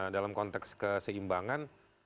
dalam konteks keseimbangan